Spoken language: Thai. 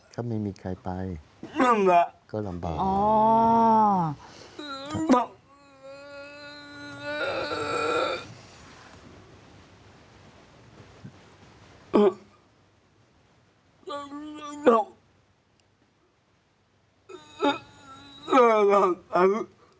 ถ้าไม่มีใครไปก็ลำบาก